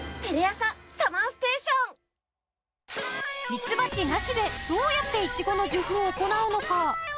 ミツバチなしでどうやってイチゴの受粉を行うのか？